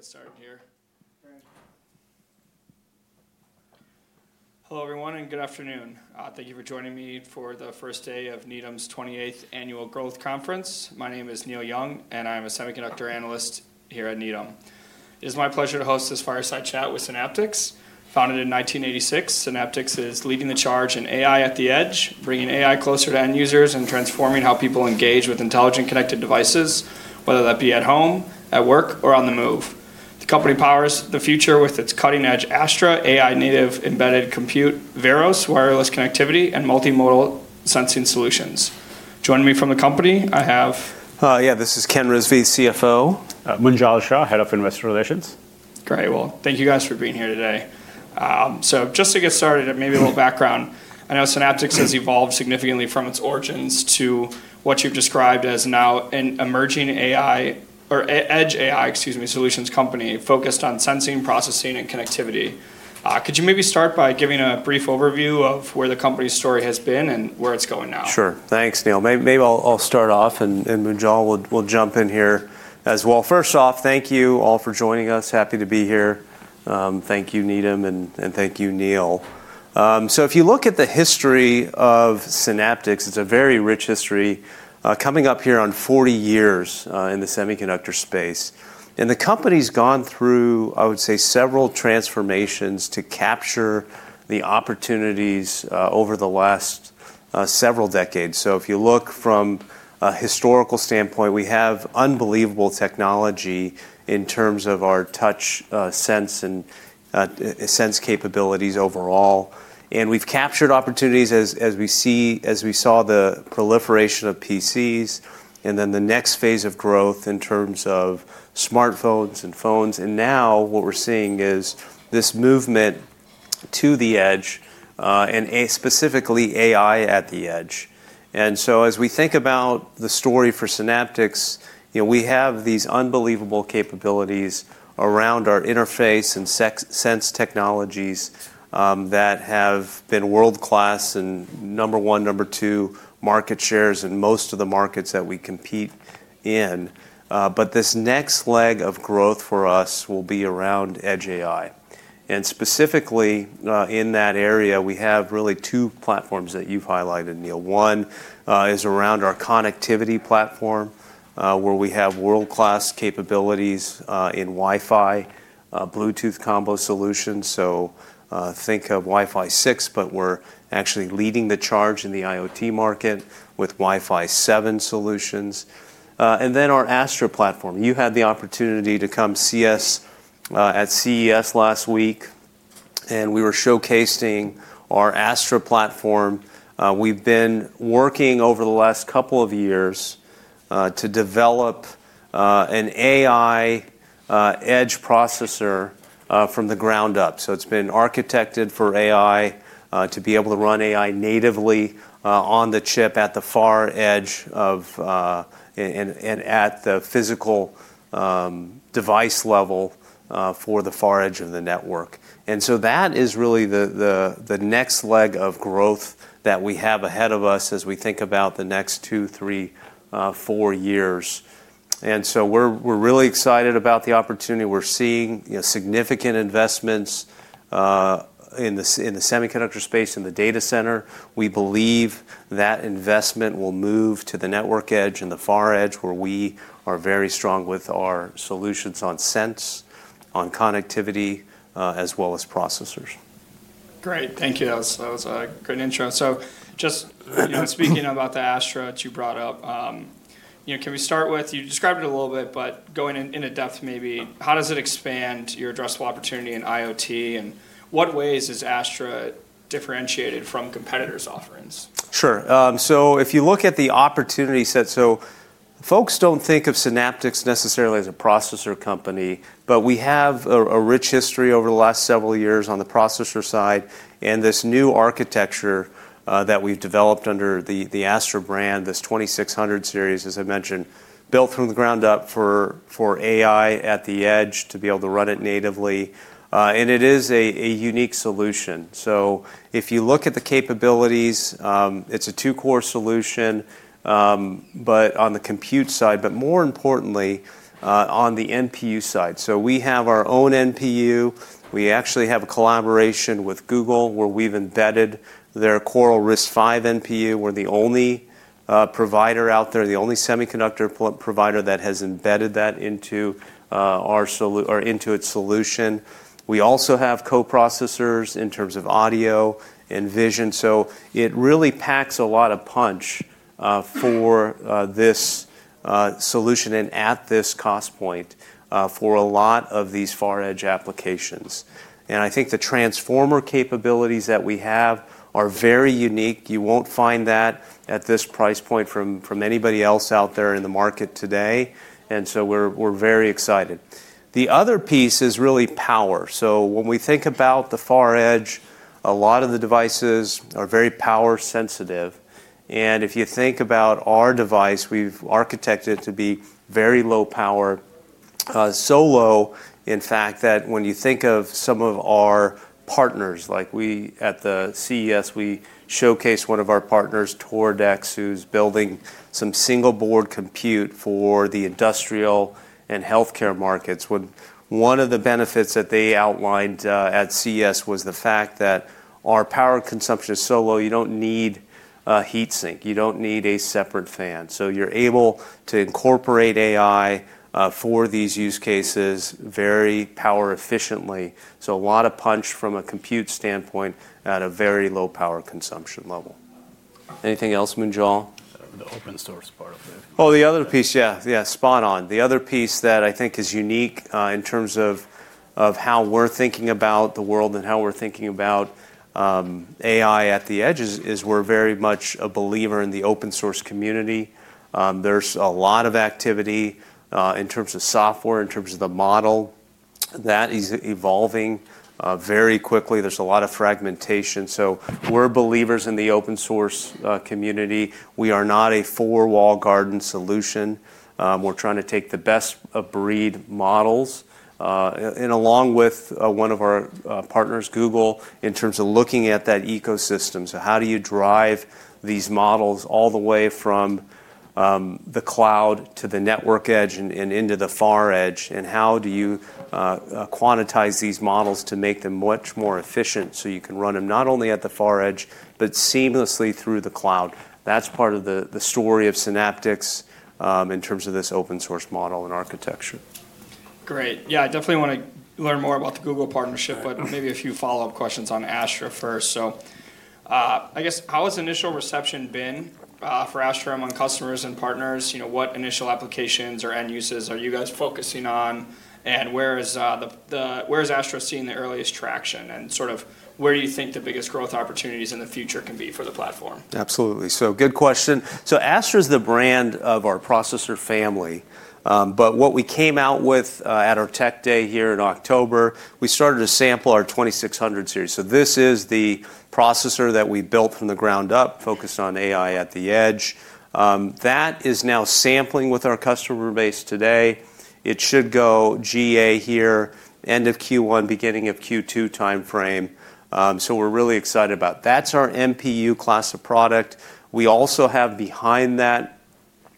Get started here. Great. Hello everyone and good afternoon. Thank you for joining me for the first day of Needham's 28th Annual Growth Conference. My name is Neil Young, and I'm a Semiconductor Analyst here at Needham. It is my pleasure to host this fireside chat with Synaptics. Founded in 1986, Synaptics is leading the charge in AI at the edge, bringing AI closer to end users and transforming how people engage with intelligent connected devices, whether that be at home, at work, or on the move. The company powers the future with its cutting-edge Astra AI native embedded compute, various wireless connectivity, and multimodal sensing solutions. Joining me from the company, I have. Yeah, this is Ken Rizvi, CFO. Munjal Shah, Head of Investor Relations. Great. Well, thank you guys for being here today. So just to get started, maybe a little background. I know Synaptics has evolved significantly from its origins to what you've described as now an emerging AI or edge AI, excuse me, solutions company focused on sensing, processing, and connectivity. Could you maybe start by giving a brief overview of where the company's story has been and where it's going now? Sure. Thanks, Neil. Maybe I'll start off, and Munjal will jump in here as well. First off, thank you all for joining us. Happy to be here. Thank you, Needham, and thank you, Neil. So if you look at the history of Synaptics, it's a very rich history, coming up here on 40 years in the semiconductor space, and the company's gone through, I would say, several transformations to capture the opportunities over the last several decades. So if you look from a historical standpoint, we have unbelievable technology in terms of our touch sense and sense capabilities overall, and we've captured opportunities as we saw the proliferation of PCs, and then the next phase of growth in terms of smartphones and phones, and now what we're seeing is this movement to the edge, and specifically AI at the edge. As we think about the story for Synaptics, we have these unbelievable capabilities around our interface and sense technologies that have been world-class and number one, number two market shares in most of the markets that we compete in. But this next leg of growth for us will be around edge AI. Specifically in that area, we have really two platforms that you've highlighted, Neil. One is around our connectivity platform, where we have world-class capabilities in Wi-Fi, Bluetooth combo solutions. So think of Wi-Fi 6, but we're actually leading the charge in the IoT market with Wi-Fi 7 solutions. Then our Astra platform. You had the opportunity to come see us at CES last week, and we were showcasing our Astra platform. We've been working over the last couple of years to develop an AI edge processor from the ground up. So it's been architected for AI to be able to run AI natively on the chip at the far edge and at the physical device level for the far edge of the network. And so that is really the next leg of growth that we have ahead of us as we think about the next two, three, four years. And so we're really excited about the opportunity. We're seeing significant investments in the semiconductor space and the data center. We believe that investment will move to the network edge and the far edge, where we are very strong with our solutions on sensing, on connectivity, as well as processors. Great. Thank you. That was a great intro. So just speaking about the Astra that you brought up, can we start with, you described it a little bit, but going in depth maybe, how does it expand your addressable opportunity in IoT, and what ways is Astra differentiated from competitors' offerings? Sure. So if you look at the opportunity set, so folks don't think of Synaptics necessarily as a processor company, but we have a rich history over the last several years on the processor side and this new architecture that we've developed under the Astra brand, this 2600 series, as I mentioned, built from the ground up for AI at the edge to be able to run it natively. And it is a unique solution. So if you look at the capabilities, it's a two-core solution, but on the compute side, but more importantly, on the NPU side. So we have our own NPU. We actually have a collaboration with Google, where we've embedded their Coral RISC-V NPU. We're the only provider out there, the only semiconductor provider that has embedded that into our solution. We also have co-processors in terms of audio and vision. So it really packs a lot of punch for this solution and at this cost point for a lot of these far edge applications. And I think the transformer capabilities that we have are very unique. You won't find that at this price point from anybody else out there in the market today. And so we're very excited. The other piece is really power. So when we think about the far edge, a lot of the devices are very power sensitive. And if you think about our device, we've architected it to be very low power, so low, in fact, that when you think of some of our partners, like at the CES, we showcased one of our partners, Toradex, who's building some Single Board Computer for the industrial and healthcare markets. One of the benefits that they outlined at CES was the fact that our power consumption is so low, you don't need a heat sink. You don't need a separate fan. So you're able to incorporate AI for these use cases very power efficiently. So a lot of punch from a compute standpoint at a very low power consumption level. Anything else, Munjal? The open source part of it. Oh, the other piece, yeah. Yeah, spot on. The other piece that I think is unique in terms of how we're thinking about the world and how we're thinking about AI at the edge is we're very much a believer in the open source community. There's a lot of activity in terms of software, in terms of the model that is evolving very quickly. There's a lot of fragmentation. So we're believers in the open source community. We are not a walled garden solution. We're trying to take the best of breed models, along with one of our partners, Google, in terms of looking at that ecosystem. So how do you drive these models all the way from the cloud to the network edge and into the far edge? How do you quantize these models to make them much more efficient so you can run them not only at the far edge, but seamlessly through the cloud? That's part of the story of Synaptics in terms of this open source model and architecture. Great. Yeah, I definitely want to learn more about the Google partnership, but maybe a few follow-up questions on Astra first. So I guess, how has initial reception been for Astra among customers and partners? What initial applications or end uses are you guys focusing on? And where is Astra seeing the earliest traction? And sort of where do you think the biggest growth opportunities in the future can be for the platform? Absolutely. So good question. So Astra is the brand of our processor family. But what we came out with at our tech day here in October, we started to sample our 2600 series. So this is the processor that we built from the ground up, focused on AI at the edge. That is now sampling with our customer base today. It should go GA here, end of Q1, beginning of Q2 timeframe. So we're really excited about that. That's our MPU class of product. We also have behind that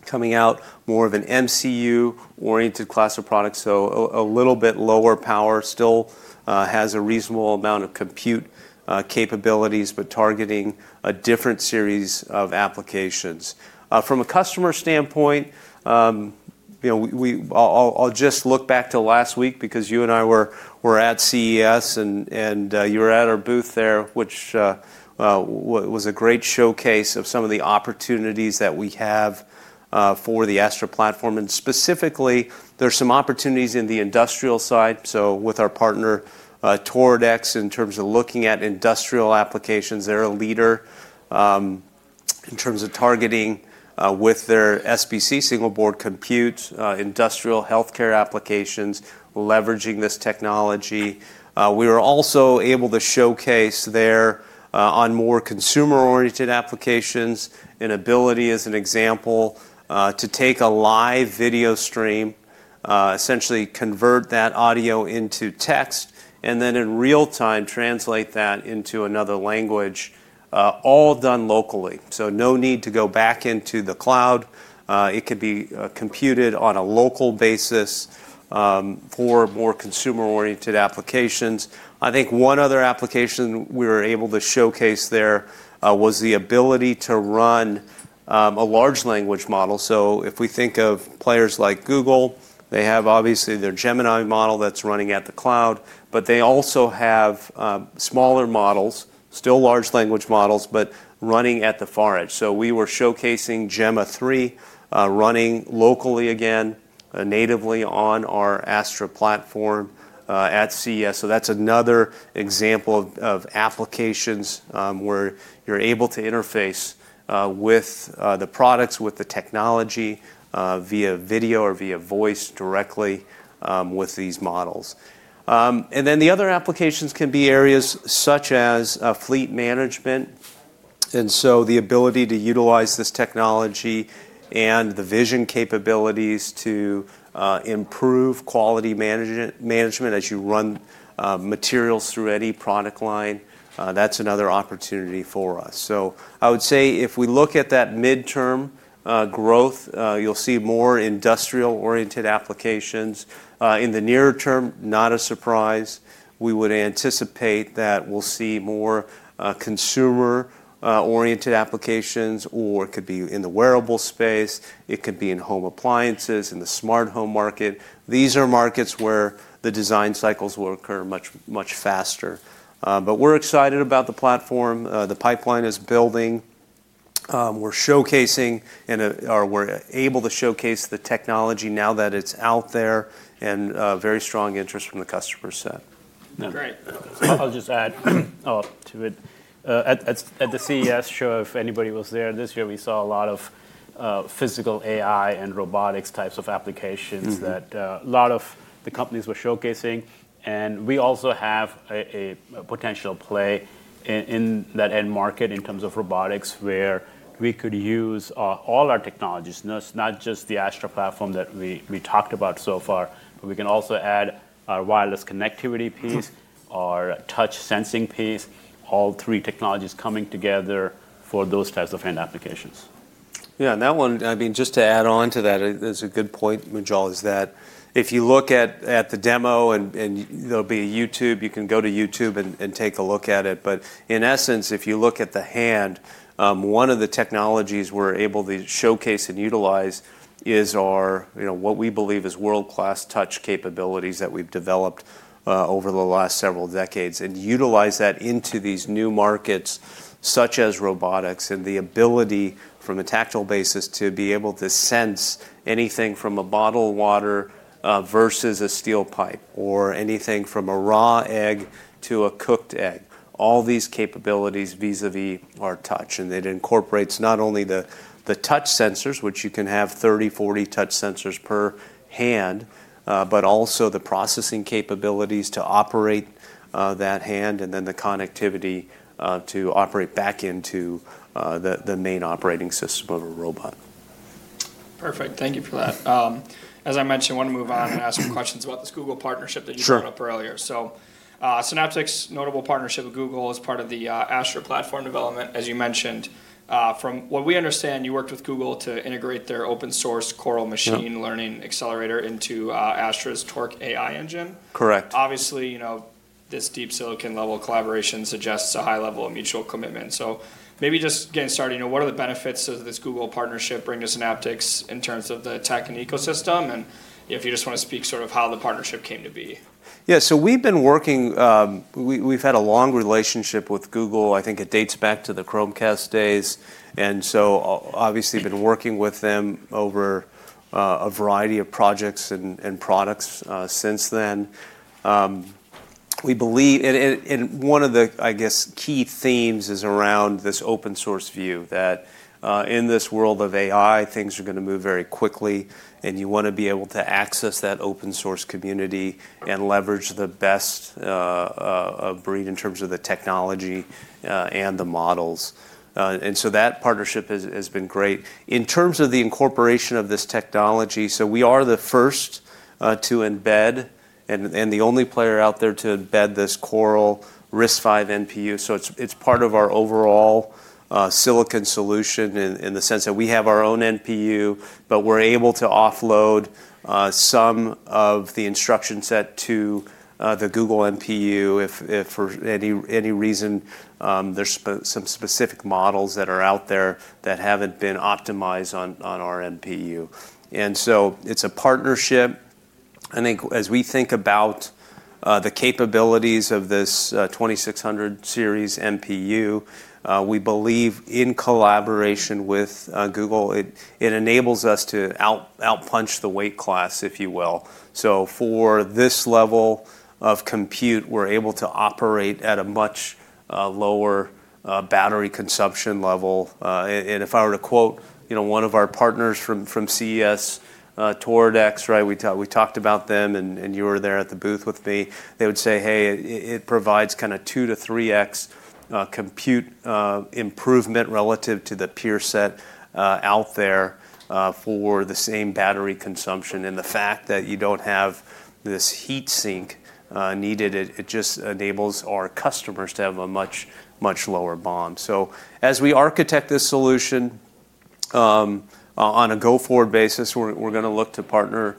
coming out more of an MCU-oriented class of product. So a little bit lower power, still has a reasonable amount of compute capabilities, but targeting a different series of applications. From a customer standpoint, I'll just look back to last week because you and I were at CES, and you were at our booth there, which was a great showcase of some of the opportunities that we have for the Astra platform, and specifically, there's some opportunities in the industrial side, so with our partner, Toradex, in terms of looking at industrial applications, they're a leader in terms of targeting with their SBC single board computer, industrial healthcare applications, leveraging this technology. We were also able to showcase there on more consumer-oriented applications and ability as an example to take a live video stream, essentially convert that audio into text, and then in real time translate that into another language, all done locally, so no need to go back into the cloud. It could be computed on a local basis for more consumer-oriented applications. I think one other application we were able to showcase there was the ability to run a large language model. So if we think of players like Google, they have obviously their Gemini model that's running at the cloud, but they also have smaller models, still large language models, but running at the far edge. So we were showcasing Gemma 3 running locally again, natively on our Astra platform at CES. So that's another example of applications where you're able to interface with the products, with the technology via video or via voice directly with these models. And then the other applications can be areas such as fleet management. And so the ability to utilize this technology and the vision capabilities to improve quality management as you run materials through any product line, that's another opportunity for us. So I would say if we look at that midterm growth, you'll see more industrial-oriented applications. In the near term, not a surprise. We would anticipate that we'll see more consumer-oriented applications, or it could be in the wearable space. It could be in home appliances, in the smart home market. These are markets where the design cycles will occur much faster. But we're excited about the platform. The pipeline is building. We're showcasing, and we're able to showcase the technology now that it's out there and very strong interest from the customer set. Great. I'll just add to it. At the CES show, if anybody was there this year, we saw a lot of physical AI and robotics types of applications that a lot of the companies were showcasing. And we also have a potential play in that end market in terms of robotics, where we could use all our technologies, not just the Astra platform that we talked about so far, but we can also add our wireless connectivity piece, our touch sensing piece, all three technologies coming together for those types of end applications. Yeah, and that one, I mean, just to add on to that, it's a good point, Munjal, is that if you look at the demo and there'll be a YouTube, you can go to YouTube and take a look at it. But in essence, if you look at the hand, one of the technologies we're able to showcase and utilize is what we believe is world-class touch capabilities that we've developed over the last several decades and utilize that into these new markets such as robotics and the ability from a tactile basis to be able to sense anything from a bottle of water versus a steel pipe or anything from a raw egg to a cooked egg. All these capabilities vis-à-vis our touch. And it incorporates not only the touch sensors, which you can have 30, 40 touch sensors per hand, but also the processing capabilities to operate that hand and then the connectivity to operate back into the main operating system of a robot. Perfect. Thank you for that. As I mentioned, I want to move on and ask some questions about this Google partnership that you brought up earlier. So Synaptics' notable partnership with Google as part of the Astra platform development, as you mentioned, from what we understand, you worked with Google to integrate their open source Coral Machine Learning Accelerator into Astra's Torque AI Engine. Correct. Obviously, this deep silicon level collaboration suggests a high level of mutual commitment. So, maybe just getting started, what are the benefits of this Google partnership bringing to Synaptics in terms of the tech and ecosystem? And, if you just want to speak sort of how the partnership came to be. Yeah, so we've been working, we've had a long relationship with Google. I think it dates back to the Chromecast days, and so obviously been working with them over a variety of projects and products since then. We believe, and one of the, I guess, key themes is around this open source view that in this world of AI, things are going to move very quickly, and you want to be able to access that open source community and leverage the best of breed in terms of the technology and the models, and so that partnership has been great. In terms of the incorporation of this technology, so we are the first to embed and the only player out there to embed this Coral RISC-V NPU. So it's part of our overall silicon solution in the sense that we have our own NPU, but we're able to offload some of the instruction set to the Google NPU if for any reason there's some specific models that are out there that haven't been optimized on our NPU. And so it's a partnership. I think as we think about the capabilities of this 2600 series NPU, we believe in collaboration with Google, it enables us to outpunch the weight class, if you will. So for this level of compute, we're able to operate at a much lower battery consumption level. And if I were to quote one of our partners from CES, Toradex, right, we talked about them and you were there at the booth with me, they would say, "Hey, it provides kind of two to three X compute improvement relative to the peer set out there for the same battery consumption." And the fact that you don't have this heat sink needed, it just enables our customers to have a much, much lower BOM. So as we architect this solution on a go-forward basis, we're going to look to partner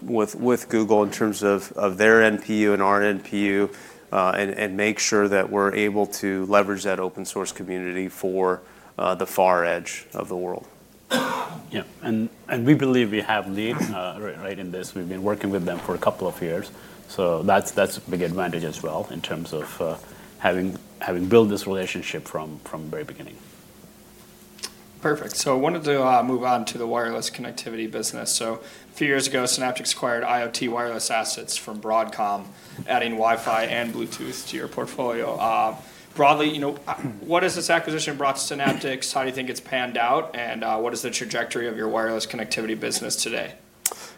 with Google in terms of their NPU and our NPU and make sure that we're able to leverage that open source community for the far edge of the world. Yeah. And we believe we have leadership in this. We've been working with them for a couple of years. So that's a big advantage as well in terms of having built this relationship from the very beginning. Perfect. So I wanted to move on to the wireless connectivity business. So a few years ago, Synaptics acquired IoT wireless assets from Broadcom, adding Wi-Fi and Bluetooth to your portfolio. Broadly, what has this acquisition brought to Synaptics? How do you think it's panned out? And what is the trajectory of your wireless connectivity business today?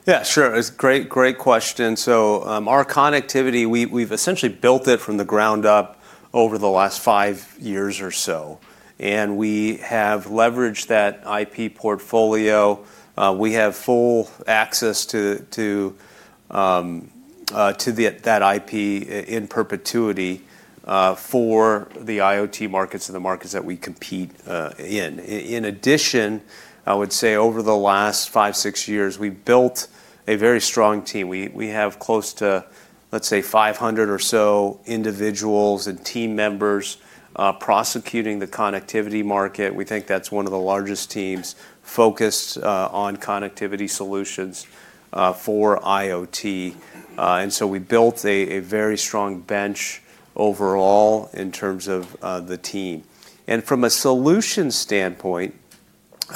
Yeah, sure. It's a great question. So our connectivity, we've essentially built it from the ground up over the last five years or so. And we have leveraged that IP portfolio. We have full access to that IP in perpetuity for the IoT markets and the markets that we compete in. In addition, I would say over the last five, six years, we've built a very strong team. We have close to, let's say, 500 or so individuals and team members prosecuting the connectivity market. We think that's one of the largest teams focused on connectivity solutions for IoT. And so we built a very strong bench overall in terms of the team. From a solution standpoint,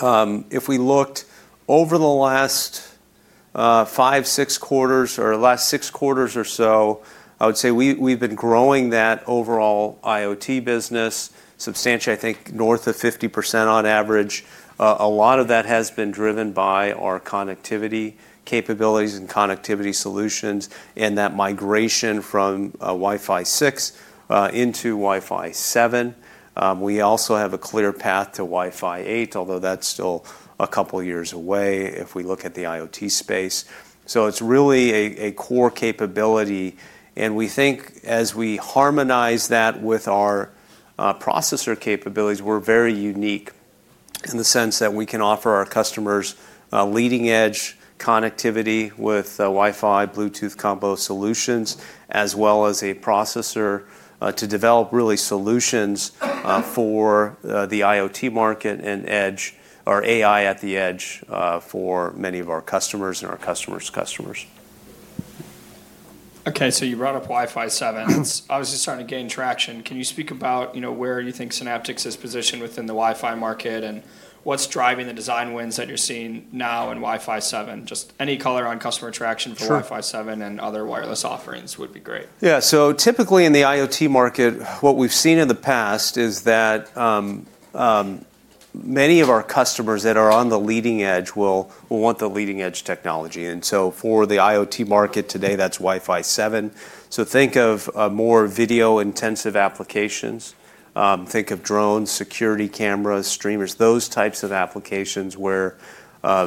if we looked over the last five, six quarters or last six quarters or so, I would say we've been growing that overall IoT business substantially, I think north of 50% on average. A lot of that has been driven by our connectivity capabilities and connectivity solutions and that migration from Wi-Fi 6 into Wi-Fi 7. We also have a clear path to Wi-Fi 8, although that's still a couple of years away if we look at the IoT space. It's really a core capability. And we think as we harmonize that with our processor capabilities, we're very unique in the sense that we can offer our customers leading edge connectivity with Wi-Fi Bluetooth combo solutions, as well as a processor to develop real solutions for the IoT market and edge or AI at the edge for many of our customers and our customers' customers. You brought up Wi-Fi 7. It's obviously starting to gain traction. Can you speak about where you think Synaptics is positioned within the Wi-Fi market and what's driving the design wins that you're seeing now in Wi-Fi 7? Just any color on customer traction for Wi-Fi 7 and other wireless offerings would be great. Yeah. So typically in the IoT market, what we've seen in the past is that many of our customers that are on the leading edge will want the leading edge technology. And so for the IoT market today, that's Wi-Fi 7. So think of more video intensive applications. Think of drones, security cameras, streamers, those types of applications where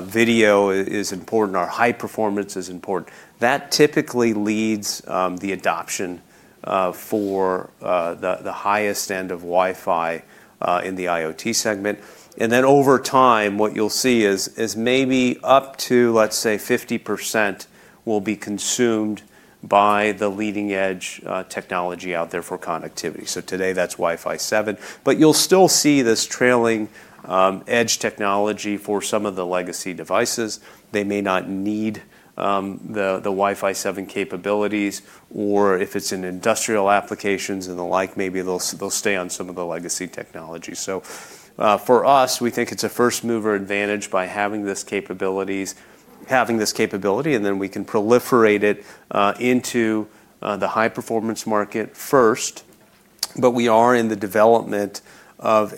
video is important or high performance is important. That typically leads the adoption for the highest end of Wi-Fi in the IoT segment. And then over time, what you'll see is maybe up to, let's say, 50% will be consumed by the leading edge technology out there for connectivity. So today that's Wi-Fi 7. But you'll still see this trailing edge technology for some of the legacy devices. They may not need the Wi-Fi 7 capabilities, or if it's in industrial applications and the like, maybe they'll stay on some of the legacy technology. So for us, we think it's a first mover advantage by having this capability, and then we can proliferate it into the high performance market first. But we are in the development of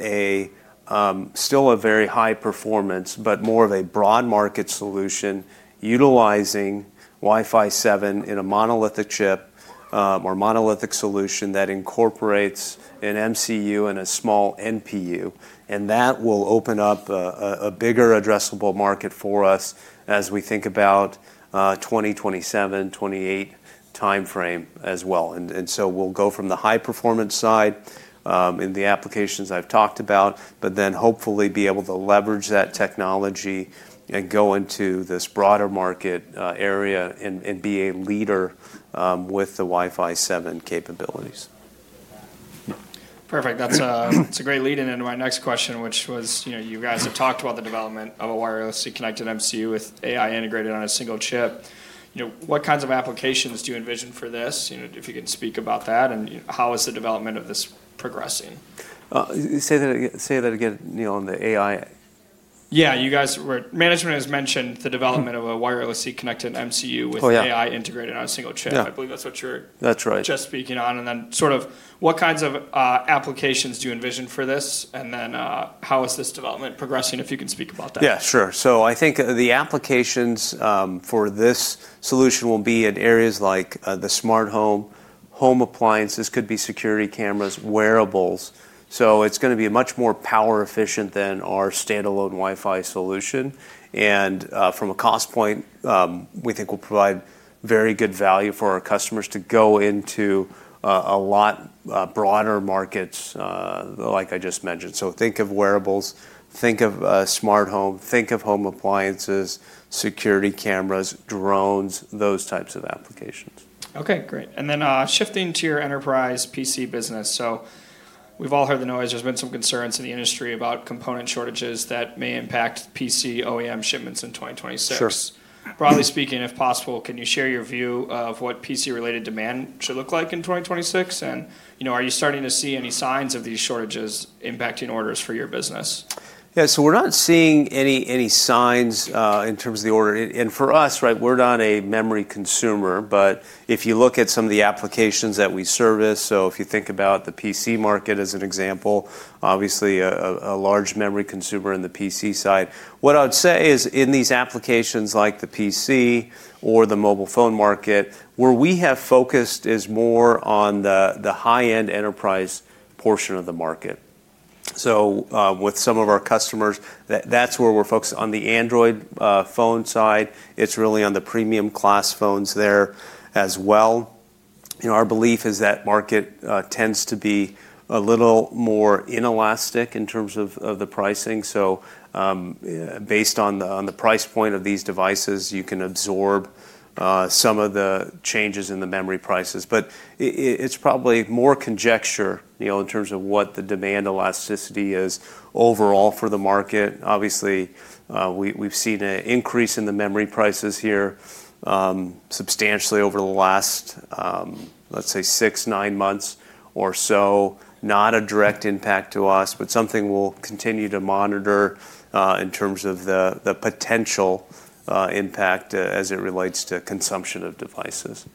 still a very high performance, but more of a broad market solution utilizing Wi-Fi 7 in a monolithic chip or monolithic solution that incorporates an MCU and a small NPU. And that will open up a bigger addressable market for us as we think about 2027-28 timeframe as well. And so we'll go from the high performance side in the applications I've talked about, but then hopefully be able to leverage that technology and go into this broader market area and be a leader with the Wi-Fi 7 capabilities. Perfect. That's a great lead-in into my next question, which was you guys have talked about the development of a wirelessly connected MCU with AI integrated on a single chip. What kinds of applications do you envision for this? If you can speak about that and how is the development of this progressing? Say that again, Neil, on the AI. Yeah. Management has mentioned the development of a wirelessly connected MCU with AI integrated on a single chip. I believe that's what you're just speaking on. And then sort of what kinds of applications do you envision for this? And then how is this development progressing if you can speak about that? Yeah, sure. So I think the applications for this solution will be in areas like the smart home, home appliances, could be security cameras, wearables. So it's going to be much more power efficient than our standalone Wi-Fi solution. And from a cost point, we think we'll provide very good value for our customers to go into a lot broader markets like I just mentioned. So think of wearables, think of smart home, think of home appliances, security cameras, drones, those types of applications. Okay, great. And then shifting to your enterprise PC business. So we've all heard the noise. There's been some concerns in the industry about component shortages that may impact PC OEM shipments in 2026. Broadly speaking, if possible, can you share your view of what PC related demand should look like in 2026? And are you starting to see any signs of these shortages impacting orders for your business? Yeah. So we're not seeing any signs in terms of the order. And for us, right, we're not a memory consumer, but if you look at some of the applications that we service, so if you think about the PC market as an example, obviously a large memory consumer in the PC side. What I would say is in these applications like the PC or the mobile phone market, where we have focused is more on the high-end enterprise portion of the market. So with some of our customers, that's where we're focused on the Android phone side. It's really on the premium class phones there as well. Our belief is that market tends to be a little more inelastic in terms of the pricing. So based on the price point of these devices, you can absorb some of the changes in the memory prices. But it's probably more conjecture in terms of what the demand elasticity is overall for the market. Obviously, we've seen an increase in the memory prices here substantially over the last, let's say, six, nine months or so. Not a direct impact to us, but something we'll continue to monitor in terms of the potential impact as it relates to consumption of devices.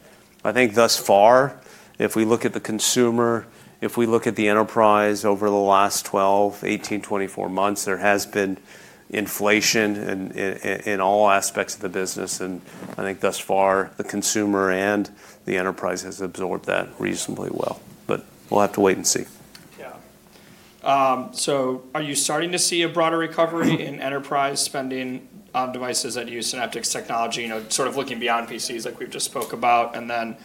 I think thus far, if we look at the consumer, if we look at the enterprise over the last 12, 18, 24 months, there has been inflation in all aspects of the business. And I think thus far the consumer and the enterprise has absorbed that reasonably well. But we'll have to wait and see. Yeah. So are you starting to see a broader recovery in enterprise spending on devices that use Synaptics technology, sort of looking beyond PCs like we've just spoke about? And then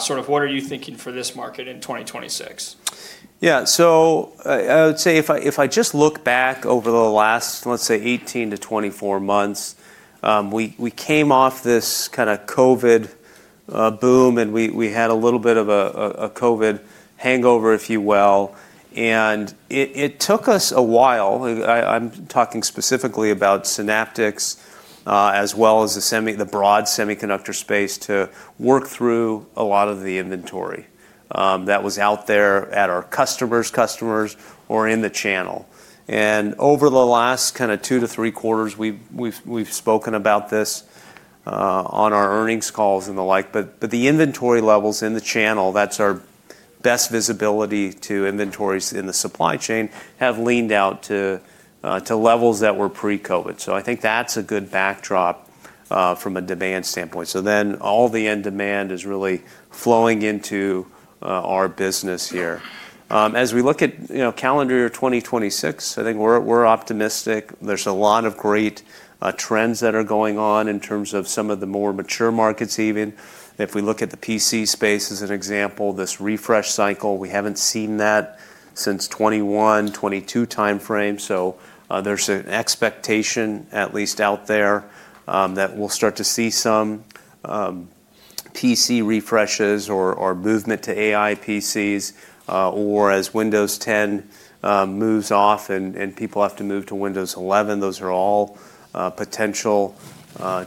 sort of what are you thinking for this market in 2026? Yeah, so I would say if I just look back over the last, let's say, 18 to 24 months, we came off this kind of COVID boom and we had a little bit of a COVID hangover, if you will, and it took us a while. I'm talking specifically about Synaptics as well as the broad semiconductor space to work through a lot of the inventory that was out there at our customers' customers or in the channel, and over the last kind of two to three quarters, we've spoken about this on our earnings calls and the like, but the inventory levels in the channel, that's our best visibility to inventories in the supply chain, have leaned out to levels that were pre-COVID, so I think that's a good backdrop from a demand standpoint, so then all the end demand is really flowing into our business here. As we look at calendar year 2026, I think we're optimistic. There's a lot of great trends that are going on in terms of some of the more mature markets even. If we look at the PC space as an example, this refresh cycle, we haven't seen that since 2021, 2022 timeframe. So there's an expectation at least out there that we'll start to see some PC refreshes or movement to AI PCs. Or as Windows 10 moves off and people have to move to Windows 11, those are all potential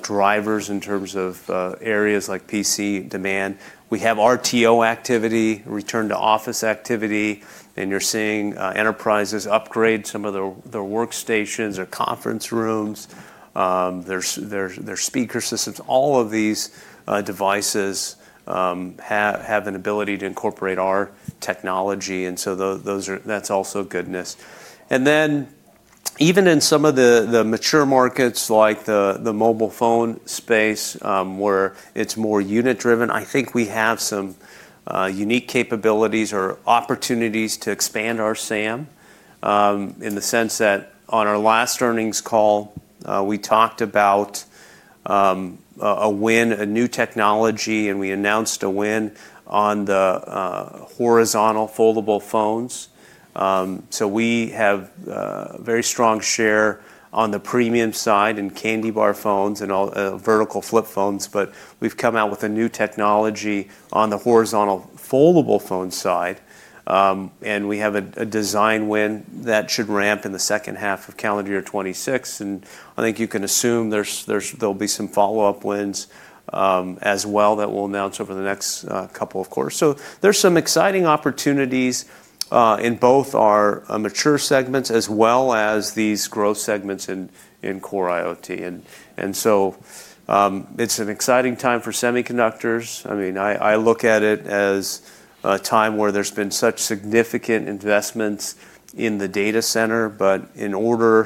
drivers in terms of areas like PC demand. We have RTO activity, return to office activity, and you're seeing enterprises upgrade some of their workstations or conference rooms. There's speaker systems. All of these devices have an ability to incorporate our technology, and so that's also goodness. Then even in some of the mature markets like the mobile phone space where it's more unit driven, I think we have some unique capabilities or opportunities to expand our SAM in the sense that on our last earnings call, we talked about a win, a new technology, and we announced a win on the horizontal foldable phones. We have a very strong share on the premium side and candy bar phones and vertical flip phones, but we've come out with a new technology on the horizontal foldable phone side. We have a design win that should ramp in the second half of calendar year 2026. I think you can assume there'll be some follow-up wins as well that we'll announce over the next couple of quarters. There are some exciting opportunities in both our mature segments as well as these growth segments in core IoT. And so it's an exciting time for semiconductors. I mean, I look at it as a time where there's been such significant investments in the data center, but in order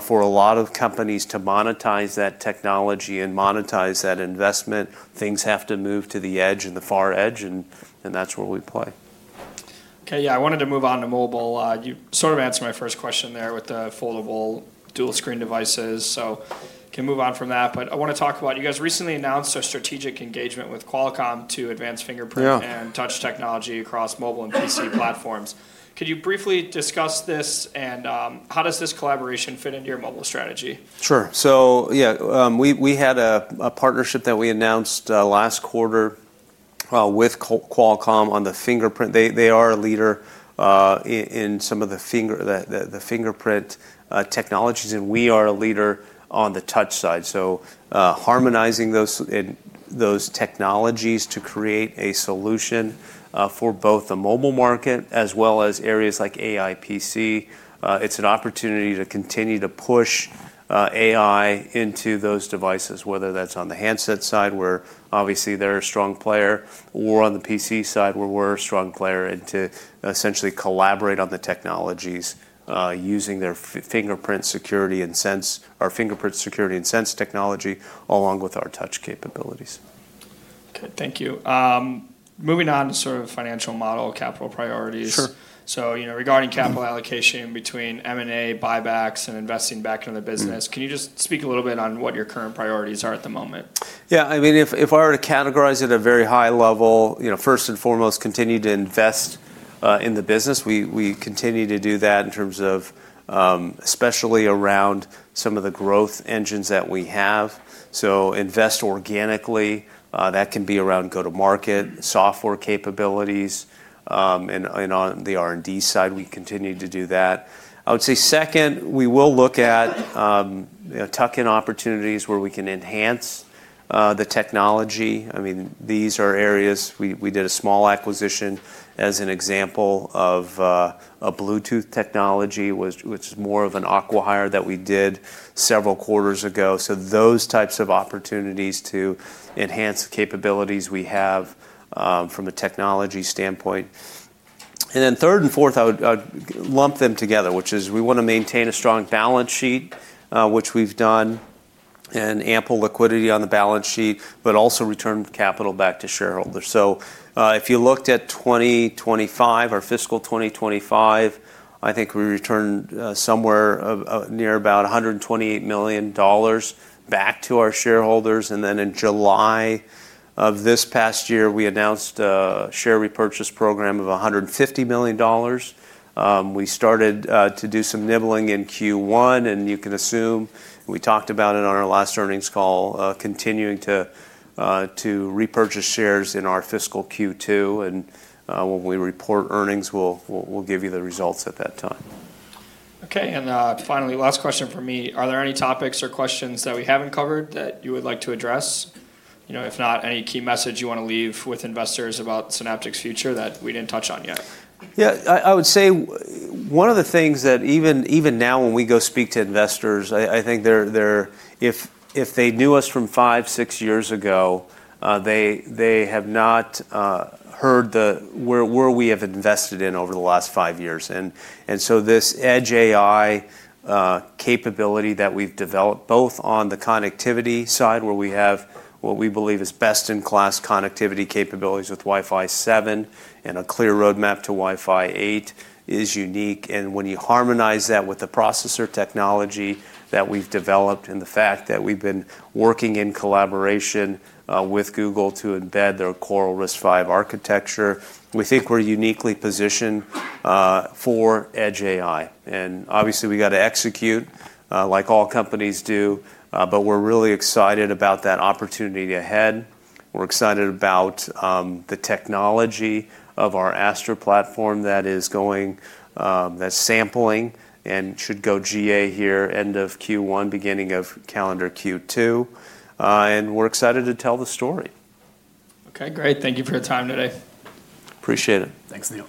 for a lot of companies to monetize that technology and monetize that investment, things have to move to the edge and the far edge, and that's where we play. Okay. Yeah. I wanted to move on to mobile. You sort of answered my first question there with the foldable dual screen devices. So can move on from that. But I want to talk about you guys recently announced a strategic engagement with Qualcomm to advance fingerprint and touch technology across mobile and PC platforms. Could you briefly discuss this and how does this collaboration fit into your mobile strategy? Sure, so yeah, we had a partnership that we announced last quarter with Qualcomm on the fingerprint. They are a leader in some of the fingerprint technologies, and we are a leader on the touch side, so harmonizing those technologies to create a solution for both the mobile market as well as areas like AI PC, it's an opportunity to continue to push AI into those devices, whether that's on the handset side where obviously they're a strong player, or on the PC side where we're a strong player and to essentially collaborate on the technologies using their fingerprint security and sensing technology along with our touch capabilities. Okay. Thank you. Moving on to sort of financial model, capital priorities. So regarding capital allocation between M&A, buybacks, and investing back into the business, can you just speak a little bit on what your current priorities are at the moment? Yeah. I mean, if I were to categorize it at a very high level, first and foremost, continue to invest in the business. We continue to do that in terms of especially around some of the growth engines that we have. So invest organically. That can be around go-to-market software capabilities. And on the R&D side, we continue to do that. I would say second, we will look at tuck-in opportunities where we can enhance the technology. I mean, these are areas we did a small acquisition as an example of a Bluetooth technology, which is more of an acqui-hire that we did several quarters ago. So those types of opportunities to enhance the capabilities we have from a technology standpoint. And then third and fourth, I would lump them together, which is we want to maintain a strong balance sheet, which we've done, and ample liquidity on the balance sheet, but also return capital back to shareholders. So if you looked at 2025, our fiscal 2025, I think we returned somewhere near about $128 million back to our shareholders. And then in July of this past year, we announced a share repurchase program of $150 million. We started to do some nibbling in Q1, and you can assume we talked about it on our last earnings call, continuing to repurchase shares in our fiscal Q2. And when we report earnings, we'll give you the results at that time. Okay. And finally, last question for me. Are there any topics or questions that we haven't covered that you would like to address? If not, any key message you want to leave with investors about Synaptics' future that we didn't touch on yet? Yeah. I would say one of the things that even now when we go speak to investors, I think if they knew us from five, six years ago, they have not heard where we have invested in over the last five years. And so this edge AI capability that we've developed both on the connectivity side where we have what we believe is best-in-class connectivity capabilities with Wi-Fi 7 and a clear roadmap to Wi-Fi 8 is unique. And when you harmonize that with the processor technology that we've developed and the fact that we've been working in collaboration with Google to embed their Coral RISC-V architecture, we think we're uniquely positioned for edge AI. And obviously, we got to execute like all companies do, but we're really excited about that opportunity ahead. We're excited about the technology of our Astra platform that is going, that's sampling and should go GA here end of Q1, beginning of calendar Q2. And we're excited to tell the story. Okay. Great. Thank you for your time today. Appreciate it. Thanks, Neil.